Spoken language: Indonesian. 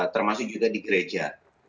termasuk juga di gereja